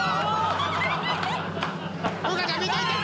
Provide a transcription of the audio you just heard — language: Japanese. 風花ちゃん見といて！